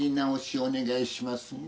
お願いしますね。